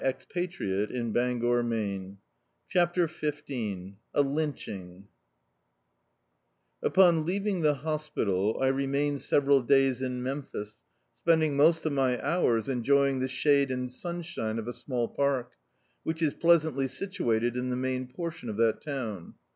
[1371 Dictzed by Google CHAPTER XV A LYNCHING UPON leaving the hospital, I remained sev eral days in Memphis, spending most of my hours enjoying the shade and sunshine of a small park, which is pleasantly situated in the main portion of that town.